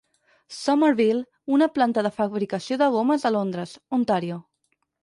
Somerville, una planta de fabricació de gomes a Londres, Ontario.